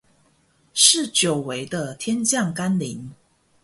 是久違的天降甘霖